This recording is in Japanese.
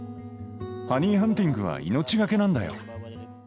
ハニーハンティングは命懸けなんだよ。